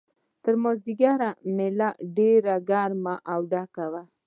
تر مازیګره مېله ډېره ګرمه او ډکه وه.